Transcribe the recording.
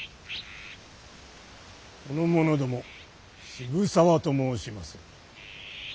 その者ども渋沢と申します。